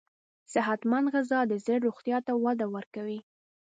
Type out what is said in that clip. صحتمند غذا د زړه روغتیا ته وده ورکوي.